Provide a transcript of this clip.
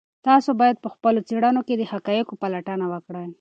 تاسو باید په خپلو څېړنو کې د حقایقو پلټنه وکړئ.